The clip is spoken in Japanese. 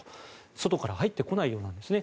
外から入ってこないようなんですね。